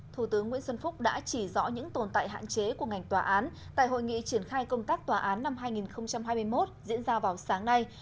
thủ tướng nguyễn xuân phúc đã chỉ rõ những tồn tại hạn chế của ngành tòa án tại hội nghị triển khai công tác tòa án năm hai nghìn hai mươi một diễn ra vào sáng nay